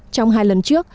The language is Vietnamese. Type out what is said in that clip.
trong hai lần trước